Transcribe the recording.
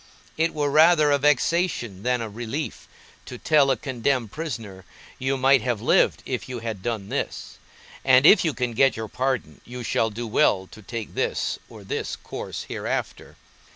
It were rather a vexation than a relief, to tell a condemned prisoner, You might have lived if you had done this; and if you can get your pardon, you shall do well to take this or this course hereafter.